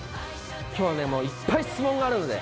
今日はねいっぱい質問があるので。